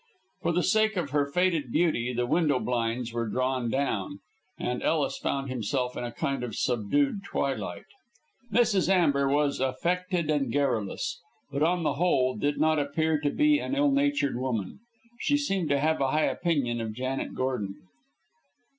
For the sake of her faded beauty the window blinds were drawn down, and Ellis found himself in a kind of subdued twilight. Mrs. Amber was affected and garrulous, but, on the whole, did not appear to be an ill natured woman. She seemed to have a high opinion of Janet Gordon.